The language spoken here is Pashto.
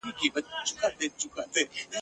هغه ورځ چي نه لېوه نه قصابان وي !.